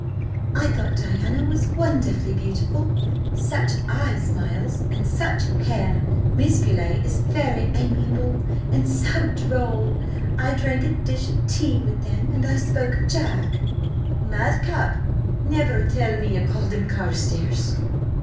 "I thought Diana was wonderfully beautiful–such eyes, Miles!–and such hair! Miss Beauleigh is very amiable, and so droll! I drank a dish of tay with them, and I spoke of Jack—" "Madcap, never tell me ye called him Carstares?"